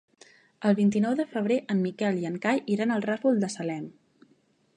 El vint-i-nou de febrer en Miquel i en Cai iran al Ràfol de Salem.